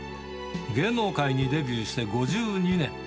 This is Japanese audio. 芸能界にデビューして５２年。